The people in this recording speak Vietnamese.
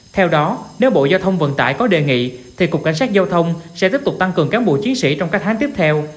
theo đó nếu bộ giao thông vận tải có đề nghị thì cục cảnh sát giao thông sẽ tiếp tục tăng cường cán bộ chiến sĩ trong các tháng tiếp theo